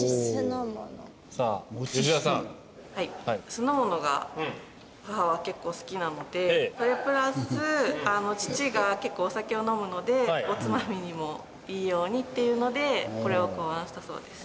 酢の物が母は結構好きなのでそれプラス父が結構お酒を飲むのでおつまみにもいいようにっていうのでこれを考案したそうです。